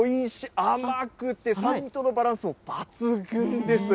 甘くて酸味とのバランスも抜群です。